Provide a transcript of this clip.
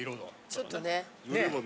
ちょっとね。